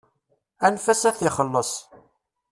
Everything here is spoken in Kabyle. Anef-as ad t-ixelleṣ.